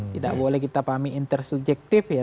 tidak boleh kita pahami intersubjektif ya